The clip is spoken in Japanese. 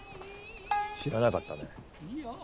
知らなかったね。